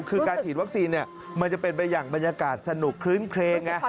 คือการฉีดวัคซีนมันจะเป็นไปอย่างบรรยากาศสนุกคลื้นเครงไง